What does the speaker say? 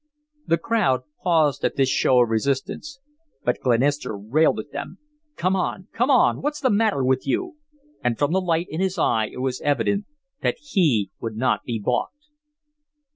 The crowd paused at this show of resistance, but Glenister railed at them: "Come on come on! What's the matter with you?" And from the light in his eye it was evident that he would not be balked.